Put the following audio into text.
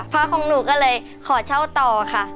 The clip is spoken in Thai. ของหนูก็เลยขอเช่าต่อค่ะ